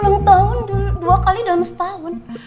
ulang tahun dua kali dalam setahun